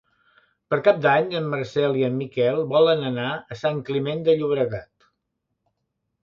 Per Cap d'Any en Marcel i en Miquel volen anar a Sant Climent de Llobregat.